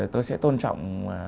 tôi sẽ tôn trọng